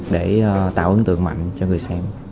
để tạo ấn tượng mạnh cho người xem